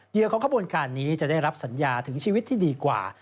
ของขบวนการนี้จะได้รับสัญญาถึงชีวิตที่ดีกว่า